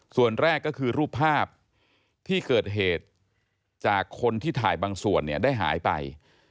ส่วนแรกก็คือรูปภาพที่เกิดเหตุจากคนที่ถ่ายบางส่วนเนี่ยได้หายไป